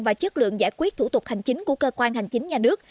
và chất lượng giải quyết thủ tục hành chính của cơ quan hành chính nhà nước